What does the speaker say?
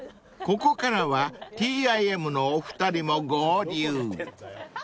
［ここからはＴＩＭのお二人も合流］